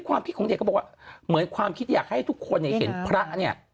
ความคิดของเด็กก็บอกว่าเหมือนความคิดอยากให้ทุกคนเนี่ยเห็นพระเนี่ย